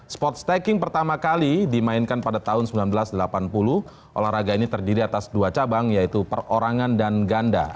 sports stacking pertama kali dimainkan pada tahun seribu sembilan ratus delapan puluh olahraga ini terdiri atas dua cabang yaitu perorangan dan ganda